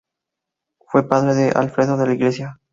Fue padre de Alfredo de la Iglesia.